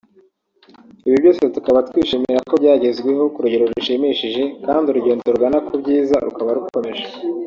Ibi byose tukaba twishimira ko byagezweho ku rugero rushimishije kandi urugendo rugana ku byiza rukaba rukomeje